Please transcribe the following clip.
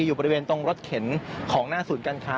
มาดูบรรจากาศมาดูความเคลื่อนไหวที่บริเวณหน้าสูตรการค้า